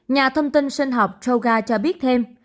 nhà thông tin sinh học chogar cho biết thêm